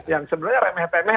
yang sebenarnya remeh pemeh